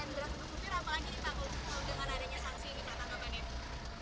kalau nggak ada sanksi ini kata kata banet